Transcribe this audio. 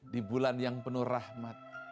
di bulan yang penuh rahmat